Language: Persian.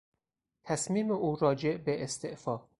تصمیم او راجع به استعفا